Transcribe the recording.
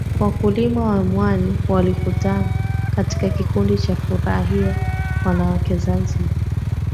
Wakulima wa mwani walikuatan katika kikundi cha Furahia Wanawake Zanzibar